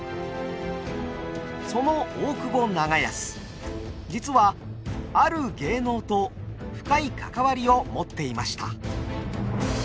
その大久保長安実はある芸能と深い関わりを持っていました。